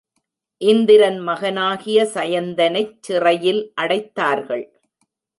இந்திரன் மகனாகிய சயந்தனைச் சிறையில் அடைத்தார்கள்.